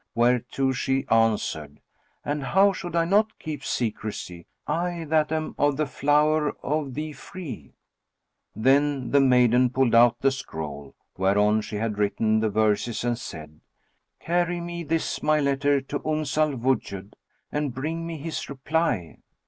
whereto she answered, "And how should I not keep secrecy, I that am of the flower of the free?"[FN#38] Then the maiden pulled out the scroll, whereon she had written the verses and said, "Carry me this my letter to Uns al Wujud and bring me his reply."